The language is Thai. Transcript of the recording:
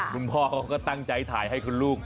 คุณพ่อเขาก็ตั้งใจถ่ายให้คุณลูก